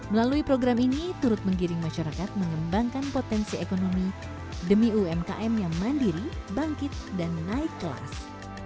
melalui program ini turut menggiring masyarakat mengembangkan potensi ekonomi demi umkm yang mandiri bangkit dan naik kelas